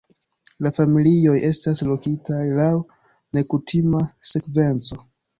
La familioj estas lokitaj laŭ nekutima sekvenco.